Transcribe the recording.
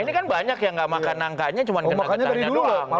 ini kan banyak yang nggak makan nangkanya cuma kena getarnya doang